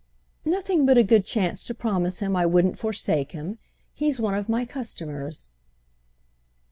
"Nothing but a good chance to promise him I wouldn't forsake him. He's one of my customers."